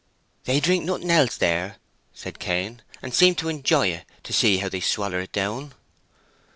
"They drink nothing else there," said Cain, "and seem to enjoy it, to see how they swaller it down."